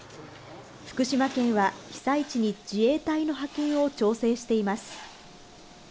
福島県は被災地に自衛隊の派遣を調整しています。